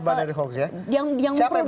siapa yang melakukan hoks itu siapa